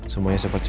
semuanya seperti apa